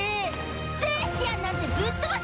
スペーシアンなんてぶっ飛ばせ！